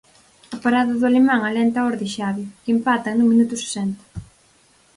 A parada do alemán alenta aos de Xavi, que empatan no minuto sesenta.